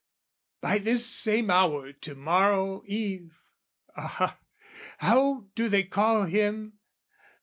By this same hour to morrow eve aha, How do they call him?